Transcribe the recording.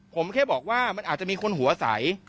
ผมแค่บอกว่ามันอาจจะมีคนหัวใส